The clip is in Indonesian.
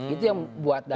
itu yang buat dalam